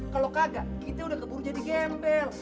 kalau kagak kita udah kebun jadi gembel